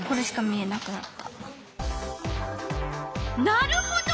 なるほど。